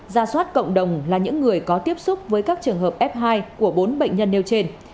ra soát cộng đồng là những người có tiếp xúc với các trường hợp f hai của bốn bệnh nhân nêu trên